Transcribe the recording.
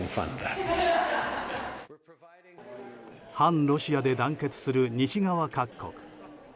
反ロシアで団結する西側各国。